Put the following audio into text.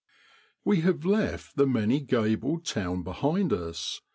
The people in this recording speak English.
We have left the many gabled town behind us.